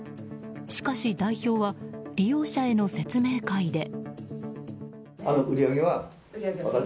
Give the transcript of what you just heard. しかし、代表は利用者への説明会で。